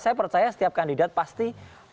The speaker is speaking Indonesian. saya percaya setiap kandidat pasti